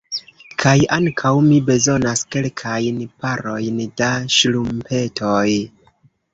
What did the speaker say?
Kaj ankaŭ mi bezonas kelkajn parojn da ŝtrumpetoj.